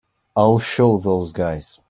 I'll show those guys.